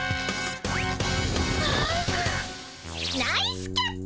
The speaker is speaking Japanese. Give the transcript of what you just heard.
ナイスキャッチ。